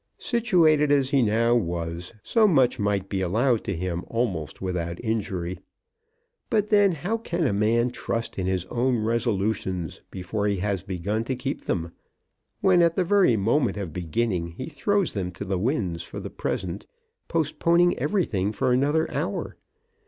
Situated as he now was so much might be allowed to him almost without injury. But then how can a man trust in his own resolutions before he has begun to keep them, when, at the very moment of beginning, he throws them to the winds for the present, postponing everything for another hour?